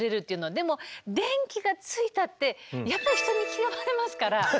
でも電気がついたってやっぱり人に嫌われますから。